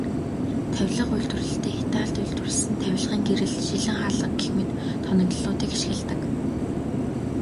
Тавилга үйлдвэрлэлдээ Италид үйлдвэрлэсэн тавилгын гэрэл, шилэн хаалга гэх мэт тоноглолуудыг ашигладаг.